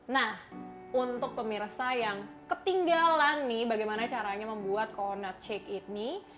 nah untuk pemirsa yang ketinggalan nih bagaimana caranya membuat cornat shake ini